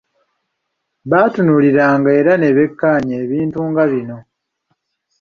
Baatunuuliranga era ne beekenneenya ebintu nga bino